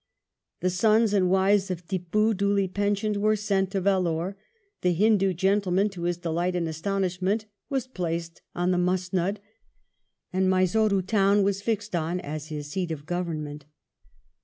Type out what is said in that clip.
The sons and wives of Tippoo, duly pensioned, were sent to Vellore, the Hindoo gentleman, to his delight and astonishment, was placed on the musnud, and Mysore town was fixed on as his seat of government.